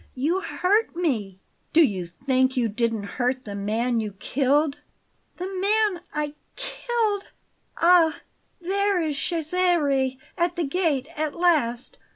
You hurt me!" "Do you think you didn't hurt the man you killed?" "The man I killed Ah, there is Cesare at the gate at last!